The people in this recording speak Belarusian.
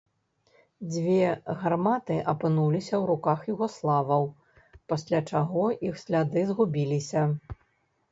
Дзве гарматы апынуліся ў руках югаславаў, пасля чаго іх сляды згубіліся.